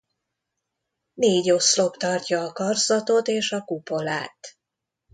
Négy oszlop tartja a karzatot és a kupolát.